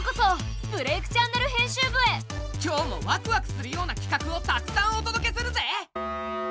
今日もワクワクするようなきかくをたくさんお届けするぜ！